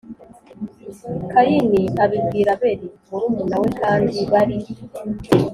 Kayini abibwira Abeli murumuna we Kandi bari